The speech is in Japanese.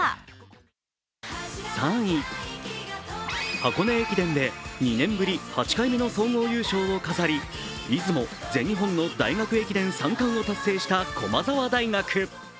箱根駅伝で２年ぶり８回目の総合優勝を飾り、出雲、全日本の大学駅伝三冠を達成した駒澤大学。